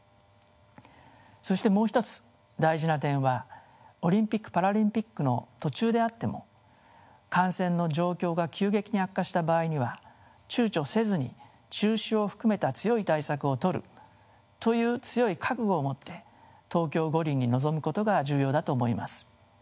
そしてもう一つ大事な点はオリンピック・パラリンピックの途中であっても感染の状況が急激に悪化した場合には躊躇せずに中止を含めた強い対策をとるという強い覚悟を持って東京五輪に臨むことが重要だと思います。